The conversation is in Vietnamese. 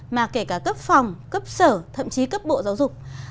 mà kể cả cấp phòng cấp sở thậm chí cấp bộ giáo dục